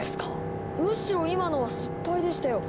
むしろ今のは失敗でしたよ。